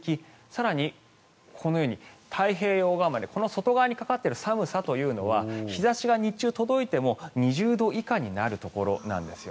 更にこのように太平洋側までこの外側にかかっている寒さは日差しが日中届いても２０度以下になるところです。